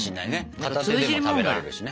片手でも食べられるしね。